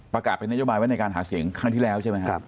ประกาศเป็นนโยบายไว้ในการหาเสียงครั้งที่แล้วใช่ไหมครับ